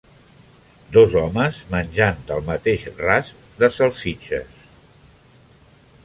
Dos homes menjant del mateix rast de salsitxes.